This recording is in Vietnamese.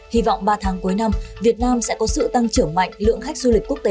hy vọng ba tháng cuối năm việt nam sẽ có sự tăng trưởng mạnh lượng khách du lịch quốc tế